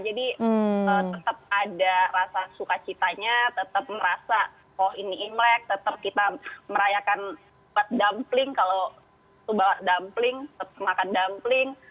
jadi tetap ada rasa suka citanya tetap merasa oh ini imlek tetap kita merayakan pet dumpling kalau itu banget dumpling makan dumpling